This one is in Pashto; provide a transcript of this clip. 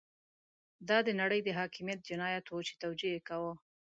دا د نړۍ د حاکميت جنايت وو چې توجیه يې کاوه.